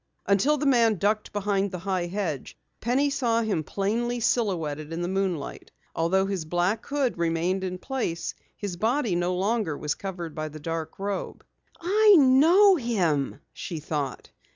Until the man ducked behind the high hedge, Penny saw him plainly silhouetted in the moonlight. Although his black hood remained in place, his body no longer was covered by the dark robe. "I know him!" she thought.